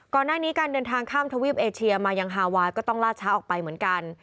ก่อนหน้านี้การเดินทางข้ามทวีปเอเชียมายังฮาไวน์ก็ต้องล่าช้าออกไปเหมือนกัน